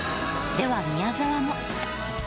では宮沢も。